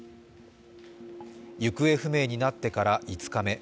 行方不明になってから５日目。